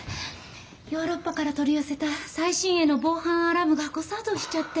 ヨーロッパから取り寄せた最新鋭の防犯アラームが誤作動しちゃって。